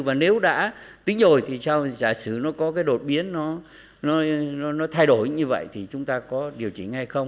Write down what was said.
và nếu đã tính rồi thì sao giả sử nó có cái đột biến nó thay đổi như vậy thì chúng ta có điều chỉnh hay không